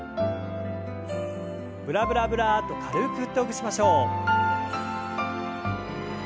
ブラブラブラッと軽く振ってほぐしましょう。